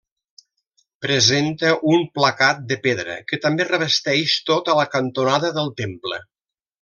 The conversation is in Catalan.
Presenta un placat de pedra que també revesteix tota la cantonada del temple.